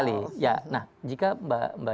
kita sudah bisa menunjukkan hasilnya